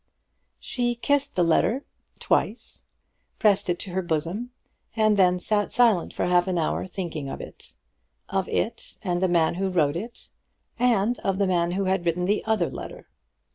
She kissed the letter twice, pressed it to her bosom, and then sat silent for half an hour thinking of it; of it, and the man who wrote it, and of the man who had written the other letter.